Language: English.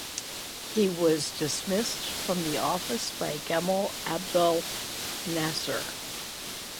He was dismissed from the office by Gamal Abdel Nasser.